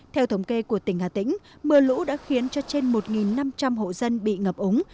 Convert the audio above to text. theo thống kê của tỉnh hà tĩnh mưa lũ đã khiến cho trên một năm trăm linh hộ dân bị ngập úng